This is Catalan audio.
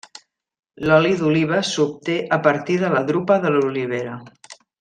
L'oli d'oliva s’obté a partir de la drupa de l'olivera.